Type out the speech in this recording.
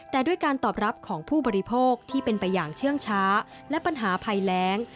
แต่ด้วยการตอบรับของผู้บริโภคที่เป็นไปอย่างเชื่องช้าและปัญหาภัยแรง